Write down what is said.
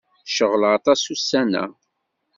Ceɣleɣ aṭas ussan-a.